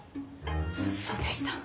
そうでした。